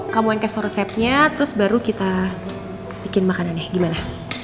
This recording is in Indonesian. kamu angkat resepnya terus baru kita bikin makanannya gimana